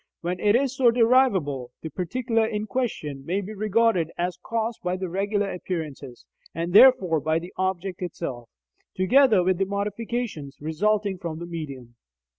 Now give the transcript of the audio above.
When it is so derivable, the particular in question may be regarded as caused by the regular appearances, and therefore by the object itself, together with the modifications resulting from the medium.